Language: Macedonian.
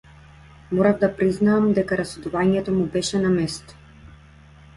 Морав да признаам дека расудувањето му беше на место.